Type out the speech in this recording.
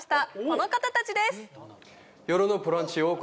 この方たちです